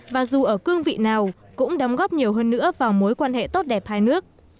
và dù ở cương vị nào cũng đóng góp nhiều hơn nữa vào mối quan hệ tốt đẹp hai nước